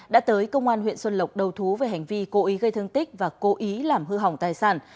đã tới công an huyện xuân lộc đầu thú về hành vi cố ý gây thương tích và cố ý làm hư hỏng tài sản